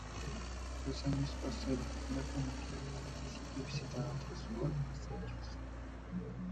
Los años pasaron, y la familia Lira decidió visitar otros balnearios.